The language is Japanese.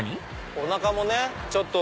おなかもねちょっと。